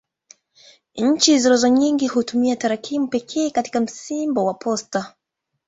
Nchi zilizo nyingi hutumia tarakimu pekee katika msimbo wa posta.